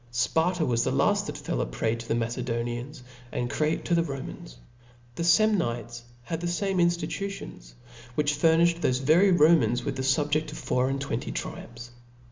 Sparta was the lad that fell a prey to the Macedo nians, and Crete to the Romans f. The Samnites had the fame inftitutions, which furnifhed thofe ve ry Romans with the fubjeft of four and twenty 0) Florus, triumphs